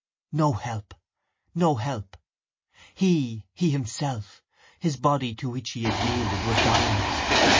No help! No help! He—he himself—his body to which he had yielded was dying.